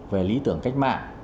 về lý tưởng cách mạng